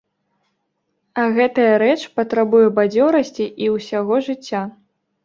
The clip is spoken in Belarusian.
А гэтая рэч патрабуе бадзёрасці і ўсяго жыцця.